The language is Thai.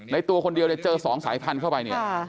ตัวคนเดียวเนี่ยเจอ๒สายพันธุ์เข้าไปเนี่ย